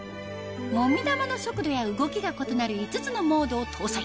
もみ玉の速度や動きが異なる５つのモードを搭載